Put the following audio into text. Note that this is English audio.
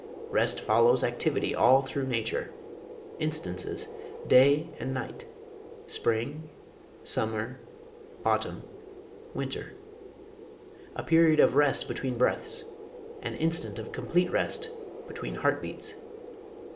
Rest follows activity all through nature. Instances: day and night; spring summer autumn winter; a period of rest between breaths; an instant of complete rest between heart beats.